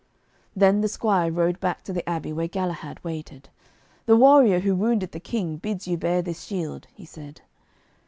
Then the squire rode back to the abbey where Galahad waited. 'The warrior who wounded the King bids you bear this shield,' he said.